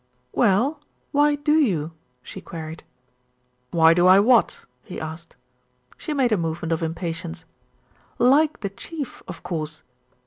"Well, why do you?" she queried. "Why do I what?" he asked. She made a movement of impatience. "Like the Chief, of course."